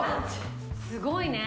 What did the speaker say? すごいね。